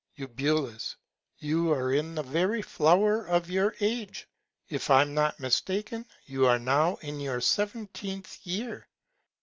Eu. You are in the very Flower of your Age: If I'm not mistaken, you are now in your seventeenth Year.